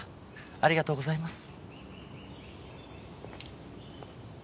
ありがとうございます。